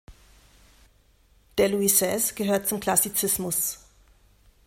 Der Louis-seize gehört zum Klassizismus.